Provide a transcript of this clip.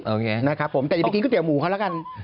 โอเคนะครับผมแต่อย่าไปกินก๋วหมูเขาแล้วกัน